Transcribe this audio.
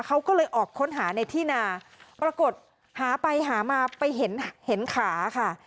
เขาก็เลยออกค้นหาในที่นาปรากฏหาไปหามาไปเห็นเห็นขาค่ะ